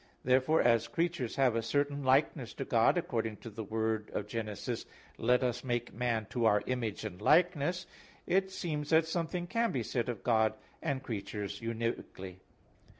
Therefore as creatures have a certain likeness to God, according to the word of Genesis (Gen. 1:26), "Let us make man to our image and likeness," it seems that something can be said of God and creatures univocally.